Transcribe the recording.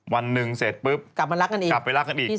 วันหนึ่งเสร็จปลึ๊บกลับไปลักกันอีก